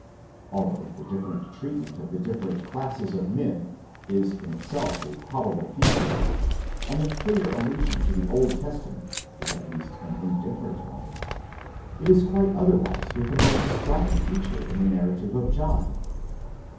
Although the different treatment of the different classes of men is in itself a probable feature, and the freer allusion to the Old Testa ment is at least an indifferent one; it is quite otherwise with the most striking feature in the narrative of John.